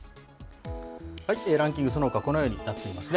ランキング、そのほか、このようになっていますね。